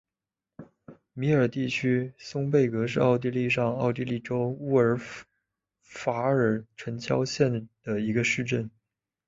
米尔地区松贝格是奥地利上奥地利州乌尔法尔城郊县的一个市镇。